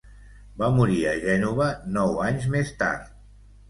Va morir a Gènova nou anys més tard.